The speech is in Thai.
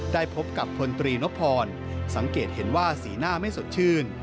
พบกับพลตรีนพรสังเกตเห็นว่าสีหน้าไม่สดชื่น